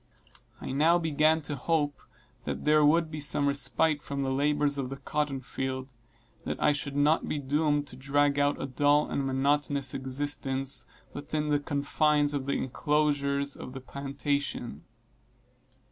I now began to hope that there would be some respite from the labors of the cotton field, and that I should not be doomed to drag out a dull and monotonous existence, within the confines of the enclosures of the plantation.